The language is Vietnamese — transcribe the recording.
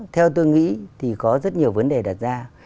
theo tôi nghĩ thì có rất nhiều vấn đề đặt ra